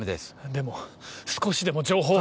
でも少しでも情報を。